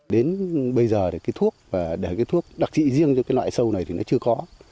đến bây giờ thuốc đặc trị riêng cho loại sâu này thì nó chưa có